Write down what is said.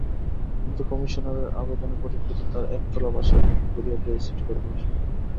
কিন্তু কমিশনারের আবেদনের পরিপ্রেক্ষিতে তাঁর একতলা বাসাই ভেঙে গুঁড়িয়ে দেয় সিটি করপোরেশন।